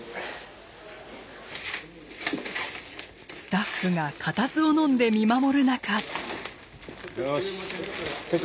スタッフが固唾をのんで見守る中。